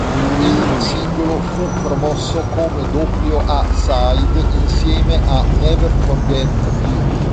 Il singolo fu promosso come doppio A-side insieme a "Never Forget You".